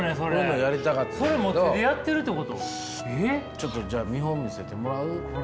ちょっとじゃあ見本見せてもらう？